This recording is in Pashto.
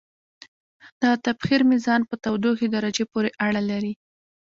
د تبخیر میزان په تودوخې درجې پورې اړه لري.